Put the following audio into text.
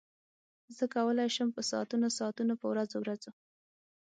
زه کولای شم په ساعتونو ساعتونو په ورځو ورځو.